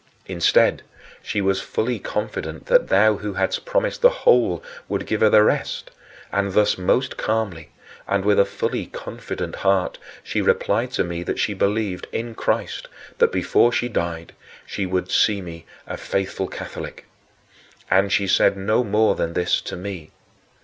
Instead, she was fully confident that thou who hadst promised the whole would give her the rest, and thus most calmly, and with a fully confident heart, she replied to me that she believed, in Christ, that before she died she would see me a faithful Catholic. And she said no more than this to me.